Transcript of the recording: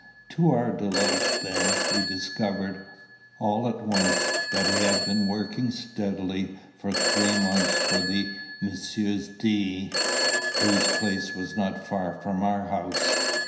To our delight, then, we discovered, all at once, that he had been working steadily for three months for the Messrs. D , whose place was not far from our house.